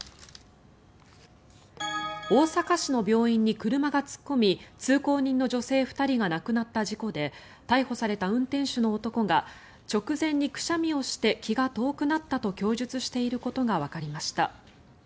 大阪市の病院に車が突っ込み通行人の女性２人が亡くなった事故で逮捕された運転手の男が直前にくしゃみをして気が遠くなったと供述していることがわかりました。